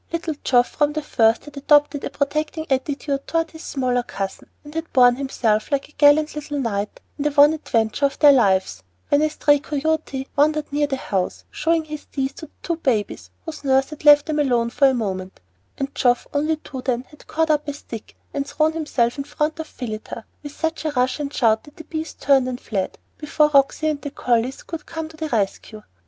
Little Geoff from the first had adopted a protecting attitude toward his smaller cousin, and had borne himself like a gallant little knight in the one adventure of their lives, when a stray coyote, wandering near the house, showed his teeth to the two babies, whose nurse had left them alone for a moment, and Geoff, only two then, had caught up a bit of a stick and thrown himself in front of Phillida with such a rush and shout that the beast turned and fled, before Roxy and the collies could come to the rescue.